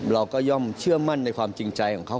ย่อมเชื่อมั่นในความจริงใจของเขา